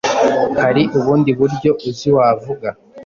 Hari ubundi buryo uzi wavuga?